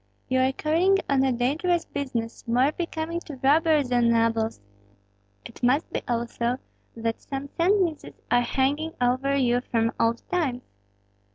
"You are carrying on a dangerous business, more becoming to robbers than nobles. It must be, also, that some sentences are hanging over you from old times?"